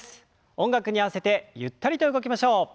音楽に合わせてゆったりと動きましょう。